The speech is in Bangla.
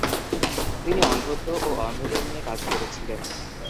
তিনি অন্ধত্ব ও অন্ধদের নিয়ে কাজ করেছিলেন।